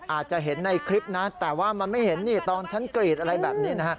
อาจจะเห็นในคลิปนะแต่ว่ามันไม่เห็นนี่ตอนฉันกรีดอะไรแบบนี้นะฮะ